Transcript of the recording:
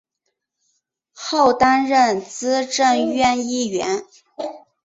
后担任资政院议员。